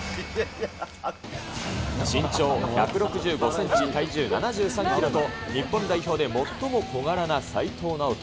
身長１６５センチ、体重７３キロと、日本代表で最も小柄な齋藤直人。